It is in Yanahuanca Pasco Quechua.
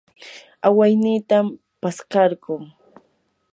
awaynitam paskarquu.